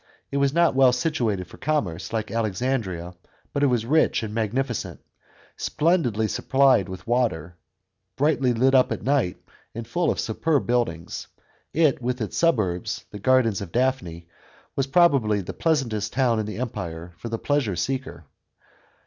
It was not well situated for commerce, like Alexandria; but it was rich and magnificent. Splendidly supplied \vith water, brightly lit up at night, and full of superb buildings, it, with its suburb, the Gardens of Daphne, was probably the pleasantest town in the empire for the pleasure seeker.